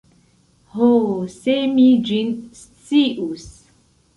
Ho, se mi ĝin scius!